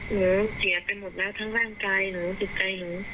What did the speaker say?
หนูเสียไปหมดแล้วทั้งร่างกายหนูจิตใจหนู